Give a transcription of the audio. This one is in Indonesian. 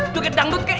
jangan dangdut kek